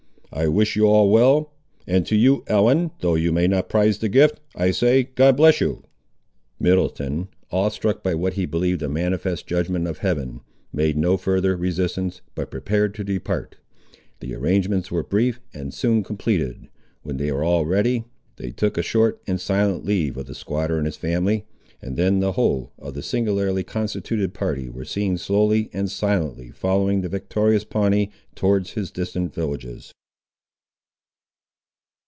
I wish you all well; and to you, Ellen, though you may not prize the gift, I say, God bless you!" Middleton, awe struck by what he believed a manifest judgment of Heaven, made no further resistance, but prepared to depart. The arrangements were brief, and soon completed. When they were all ready, they took a short and silent leave of the squatter and his family; and then the whole of the singularly constituted party were seen slowly and silently following the victorious Pawnee towards his distant villages.